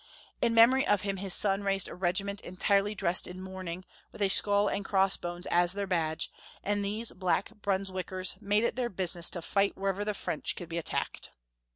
In memory of him his son raised a regiment entirely dressed in mourning, with a skull and cross bones as their badge, and these Black Brunswick ers made it their business to fight wherever the French could be attacked.